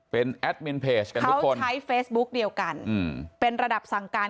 เป็นแอดมินเพจเป็นบุคคลใช้เฟซบุ๊กเดียวกันเป็นระดับสั่งการ